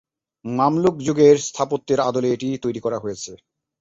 মামলুক-যুগের স্থাপত্যের আদলে এটি তৈরি করা হয়েছে।